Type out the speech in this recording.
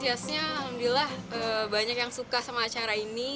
hiasnya alhamdulillah banyak yang suka sama acara ini